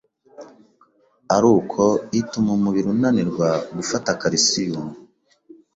ari uko ituma umubiri unanirwa gufata ‘calcium’